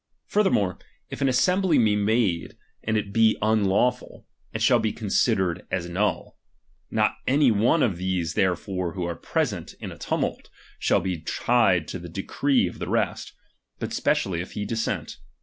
^| Furthermore, if an assembly be made, and it be ^| unlawful, it shall be considered as null. Not any ^H one of these therefore who are present in a tumult, ^H shall be tied to the decree of the rest ; but specially ^H if he dissent.